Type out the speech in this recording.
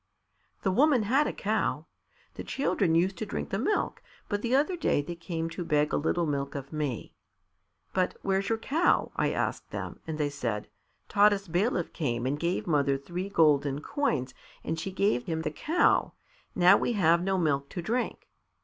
"The woman had a cow. The children used to drink the milk, but the other day they came to beg a little milk of me. 'But where's your cow?' I asked them, and they said, 'Taras' bailiff came and gave mother three golden coins and she gave him the cow; now we have no milk to drink.